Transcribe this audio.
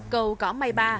cầu cỏ mây ba